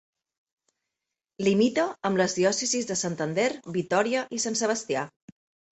Limita amb les diòcesis de Santander, Vitòria i Sant Sebastià.